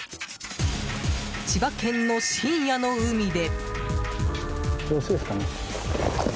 千葉県の深夜の海で。